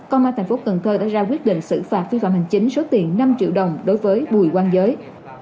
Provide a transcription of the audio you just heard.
công an thành phố cần thơ đã ra quyết định xử phạt phi phạm hành chính số tiền năm triệu đồng đối với bùi quang giới